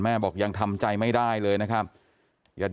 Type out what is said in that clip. บอกยังทำใจไม่ได้เลยนะครับ